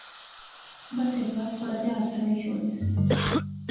بس ہیک وار تھوڑا جیا ہتھ ہلائی شوڑنے سے